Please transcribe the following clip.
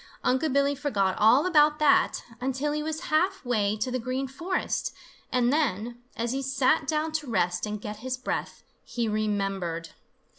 Unc' Billy forgot all about that, until he was half way to the Green Forest, and then, as he sat down to rest and get his breath, he remembered.